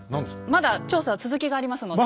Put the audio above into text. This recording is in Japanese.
まだ調査は続きがありますので。